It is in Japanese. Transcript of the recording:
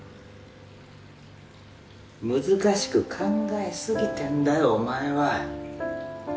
難しく考えすぎてんだよお前は。